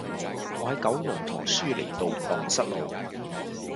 我喺九龍塘舒梨道盪失路